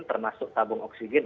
termasuk tabung oksigen